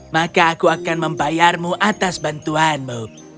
maka aku akan membayarmu atas bantuanmu